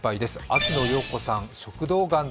秋野暢子さん